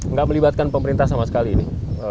nggak melibatkan pemerintah sama sekali ini